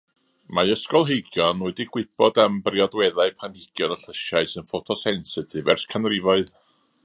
Mae ysgolheigion wedi gwybod am briodweddau planhigion a llysiau sy'n ffoto-sensitif ers canrifoedd.